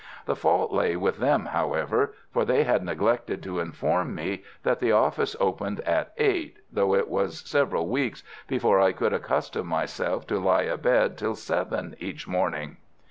The fault lay with them, however, for they had neglected to inform me that the office opened at eight, though it was several weeks before I could accustom myself to lie abed till seven each morning.